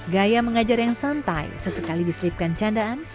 gaya mengajar yang santai sesekali diselipkan candaan